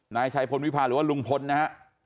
นายชัยพลวิพาหรือว่าลุงพลนะฮะ